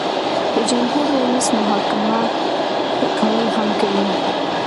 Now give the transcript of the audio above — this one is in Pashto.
د جمهور رئیس محاکمه کول هم کوي.